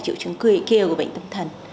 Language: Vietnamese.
triệu chứng cười kia của bệnh tâm thần